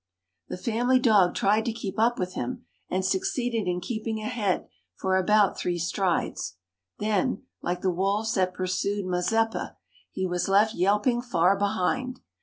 The family dog tried to keep up with him, and succeeded in keeping ahead for about three strides. Then, like the wolves that pursued Mazeppa, he was left yelping far behind.